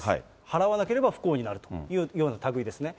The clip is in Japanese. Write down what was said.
払わなければ不幸になるというようなたぐいですね。